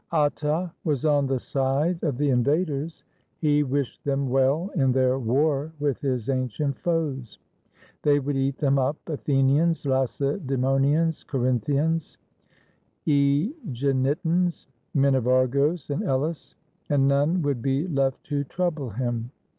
Atta was on the side of the invaders; he wished them well in their war with his ancient foes> They would eat them up, Athenians, Lacedaemonians, Corinthians, yEginetans, men of Argos and Elis, and none would be left to trouble him.